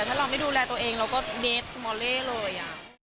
ถ้าเราไม่ดูแลตัวเองเราก็เดสมอเล่เลย